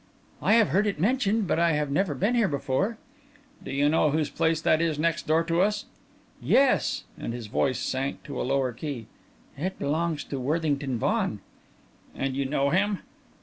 "I have heard it mentioned, but I have never been here before." "Do you know whose place that is next door to us?" "Yes," and his voice sank to a lower key. "It belongs to Worthington Vaughan." "And you know him?"